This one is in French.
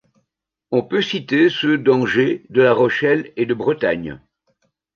On peut citer ceux d'Angers, de La Rochelle et de Bretagne.